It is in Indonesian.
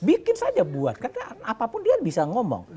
bikin saja buat katakan apapun dia bisa ngomong